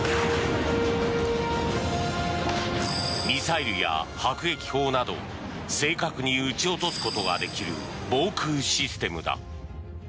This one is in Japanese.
ミサイルや迫撃砲などを正確に撃ち落とすことができる防空システムだ。